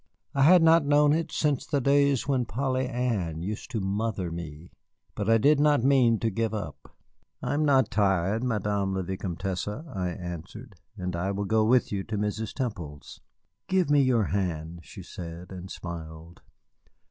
I had not known it since the days when Polly Ann used to mother me. But I did not mean to give up. "I am not tired, Madame la Vicomtesse," I answered, "and I will go with you to Mrs. Temple's." "Give me your hand," she said, and smiled.